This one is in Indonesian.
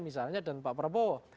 misalnya dan pak prabowo